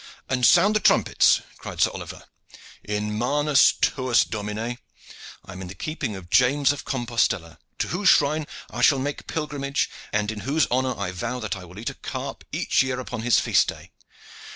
"And sound the trumpets!" cried Sir Oliver. "In manus tuas, Domine! I am in the keeping of James of Compostella, to whose shrine I shall make pilgrimage, and in whose honor I vow that I will eat a carp each year upon his feast day.